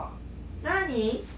何？